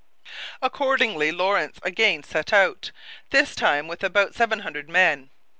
Accordingly Lawrence again set out, this time with about seven hundred men.